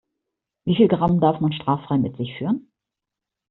Wie viel Gramm darf man straffrei mit sich führen?